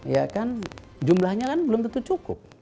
ya kan jumlahnya kan belum tentu cukup